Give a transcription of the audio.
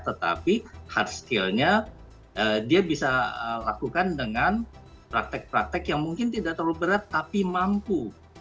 tetapi hard skillnya dia bisa lakukan dengan praktek praktek yang mungkin tidak terlalu berat tapi mampu